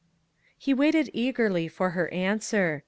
" He waited eagerly for her answer.